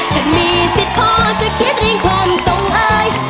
ถ้ามีสิทธิ์พอจะคิดเรียงความสงอ้าย